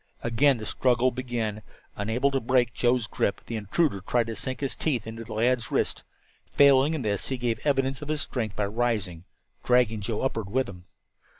Again the struggle began. Unable to break Joe's grip, the intruder tried to sink his teeth into the lad's wrist. Failing in this, he gave an evidence of his strength by rising, dragging Joe upward with him.